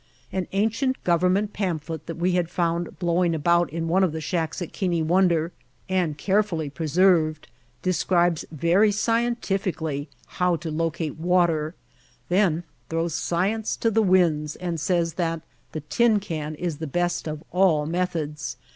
An ancient government pamphlet that we had found blowing about in one of the shacks at Keane Wonder and care [iS7] White Heart of Mojave fully preserved describes very scientifically how to locate water, then throws science to the winds and says that the tin can is the best of all meth ods.